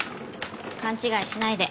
勘違いしないで。